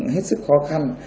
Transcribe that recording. hết sức khó khăn